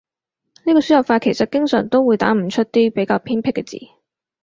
呢個輸入法其實經常都會打唔出啲比較偏僻嘅字